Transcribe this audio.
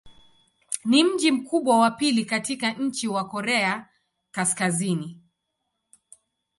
Ni mji mkubwa wa pili katika nchi wa Korea Kaskazini.